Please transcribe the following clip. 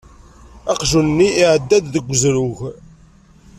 Aqjun-nni iɛedda-d deg uzrug.